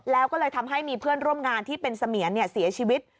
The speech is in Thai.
แล้วก็เลยทำให้มีเพื่อนร่วมงานที่เป็นเสมียนเสียชีวิต